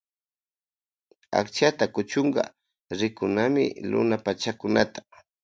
Akchata kuchunka rikunami luna pachakunata.